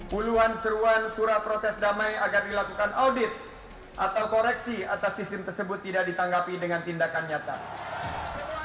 puluhan seruan surat protes damai agar dilakukan audit atau koreksi atas sistem tersebut tidak ditanggapi dengan tindakan nyata